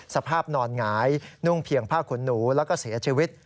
สภาพนอนหงายนุ่งเพียงผ้าขนหนูแล้วก็เสียชีวิต